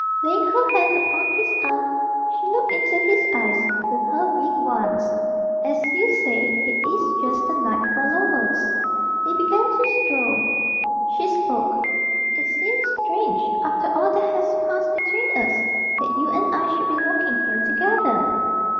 Laying her hand upon his arm, she looked into his eyes with her big ones. "As you say, it is just the night for lovers." They began to stroll. She spoke "It seems strange, after all that has passed between us, that you and I should be walking here together."